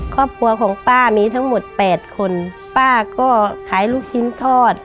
ครอบครัวของป้ามีทั้งหมดแปดคนป้าก็ขายลูกชิ้นทอด